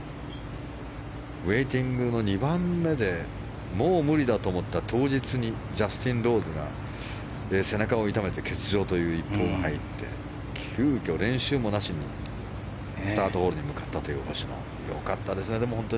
ウェイティングの２番目でもう無理だと思った当日にジャスティン・ローズが背中を痛めて欠場という一報が入って急きょ練習もなしにスタートホールに向かったという星野。